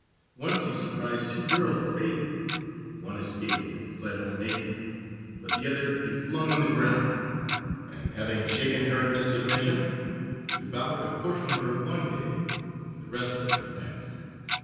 Once he surprised two girls bathing. One escaped, and fled home naked, but the other he flung on the ground, and having shaken her into submission, devoured a portion of her one day, and the rest of her the next.